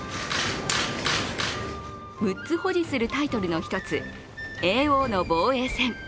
６つ保持するタイトルの一つ、叡王の防衛戦。